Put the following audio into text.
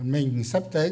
mình sắp tới